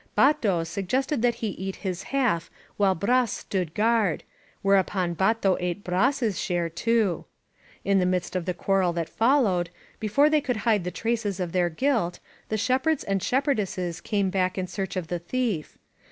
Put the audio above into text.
Bato suggested that he eat his half while Bras stood guard, whereupon Bato ate Bras*s share, too. In the midst of the quarrel that followed, before they could hide the traces of their guilt, the shepherds and shepherdesses came back in search of the thief.